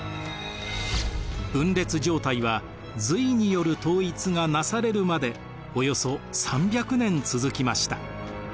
分裂状態は隋による統一が成されるまでおよそ３００年続きました。